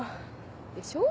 でしょう？